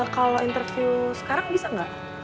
kalau interview sekarang bisa nggak